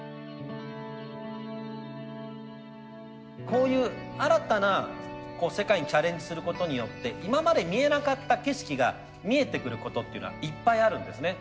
こういう新たな世界にチャレンジすることによって今まで見えなかった景色が見えてくることっていうのはいっぱいあるんですね。